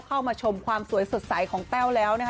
เข้ามาชมความสวยสดใสของแต้วแล้วนะคะ